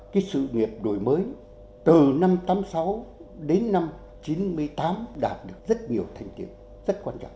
cái sự nghiệp đổi mới từ năm tám mươi sáu đến năm chín mươi tám đạt được rất nhiều thành tiệu rất quan trọng